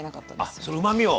あっそのうまみを。